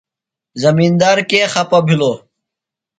زمندار کےۡ خپہ بِھلوۡ ؟